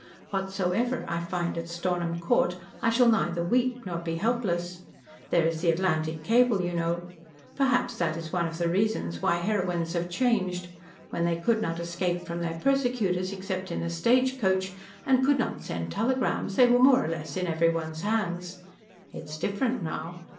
Whatsoever I find at Stornham Court, I shall neither weep nor be helpless. There is the Atlantic cable, you know. Perhaps that is one of the reasons why heroines have changed. When they could not escape from their persecutors except in a stage coach, and could not send telegrams, they were more or less in everyone's hands. It is different now.